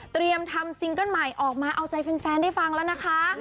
เตรียมทำซิงเกิ้ลใหม่ออกมาเอาใจแฟนได้ฟังแล้วนะคะ